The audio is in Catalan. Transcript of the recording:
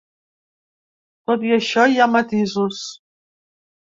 Tot i això, hi ha matisos.